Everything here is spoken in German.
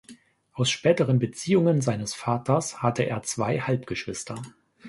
Aus späteren Beziehungen seines Vaters hatte er zwei Halbgeschwister.